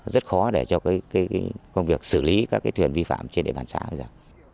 rất khó để cho công việc xử lý các thuyền vi phạm trên địa bàn xã bây giờ